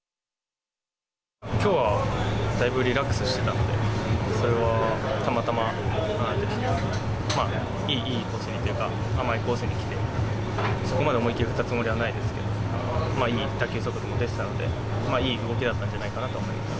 きょうはだいぶリラックスしてたので、それはたまたまいいコースにというか、甘いコースに来て、そこまで思い切り振ったつもりはないですけど、いい打球速度も出てたので、いい動きだったんじゃないかなと思います。